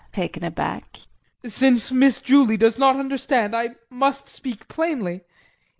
JEAN [Taken aback]. Since Miss Julie does not understand I must speak plainly.